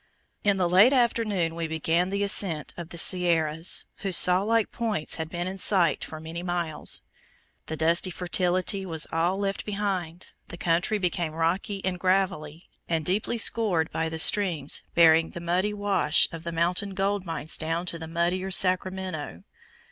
In the late afternoon we began the ascent of the Sierras, whose sawlike points had been in sight for many miles. The dusty fertility was all left behind, the country became rocky and gravelly, and deeply scored by streams bearing the muddy wash of the mountain gold mines down to the muddier Sacramento.